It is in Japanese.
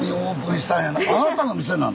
あなたの店なの？